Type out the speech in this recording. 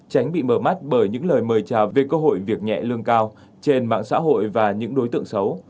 tránh bị mờ mắt bởi những lời mời chào về cơ hội việc nhẹ lương cao trên mạng xã hội và những đối tượng xấu